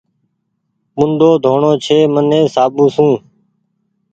موڍو ڌوڻو ڇي مني صآبو سون